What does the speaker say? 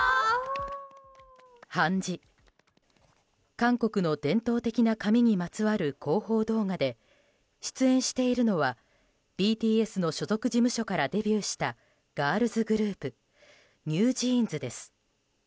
韓国の伝統的な紙にまつわる広報動画で出演しているのはＢＴＳの所属事務所からデビューしたガールズグループＮｅｗＪｅａｎｓです。